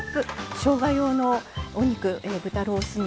しょうが用のお肉、豚ロース肉